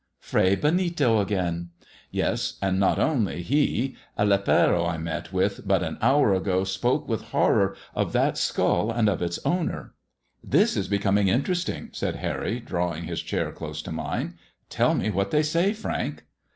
" Fray Benito again !"" Yes, and not he only : a lipero I met with bat m 'j hour ago spoke with horror of that skull and of iti owner." ■" Tliis is becoming interesting," said Harry, drawing Ul chair close to mine. " Tell me what they say, Frank."